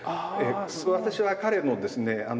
私は彼のですね